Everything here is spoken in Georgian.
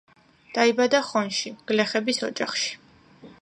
დაიბადა ხონში, გლეხების ოჯახში.